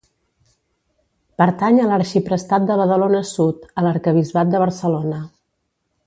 Pertany a l'arxiprestat de Badalona sud, a l'arquebisbat de Barcelona.